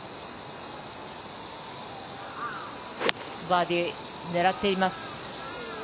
バーディーを狙っています。